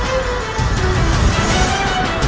aku akan mencari dia